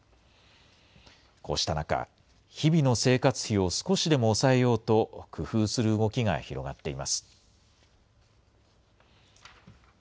こうした中、日々の生活費を少しでも抑えようと工夫する動きが広がっています。